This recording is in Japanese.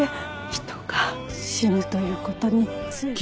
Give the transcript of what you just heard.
「人が死ぬという事について」